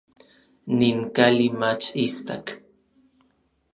Nin kali mach istak.